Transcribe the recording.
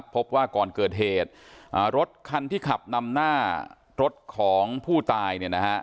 พบว่าก่อนเกิดเหตุรถคันที่ขับนำหน้ารถของผู้ตาย